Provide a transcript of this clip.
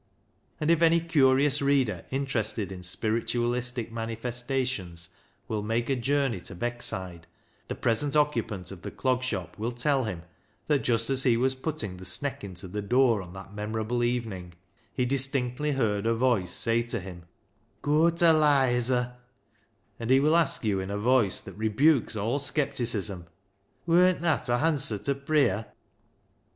And if any curious reader 296 BECKSIDE LIGHTS interested in spiritualistic manifestations will make a journey to Beckside, the present occu pant of the Clog Shop will tell him that just as he was putting the sneck into the door on that memorable evening, he distinctly heard a voice say to him, " Goa ta Lizer," and he will ask you, in a voice that rebukes all scepticism, " Wurn't that a hanser ta pruyer